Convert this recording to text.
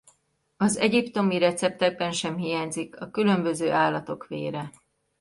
Az egyiptomi receptekben sem hiányzik a különböző állatok vére.